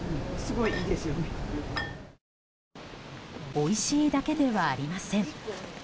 おいしいだけではありません。